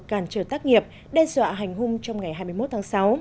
cản trở tác nghiệp đe dọa hành hung trong ngày hai mươi một tháng sáu